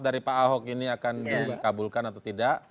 dari pak ahok ini akan dikabulkan atau tidak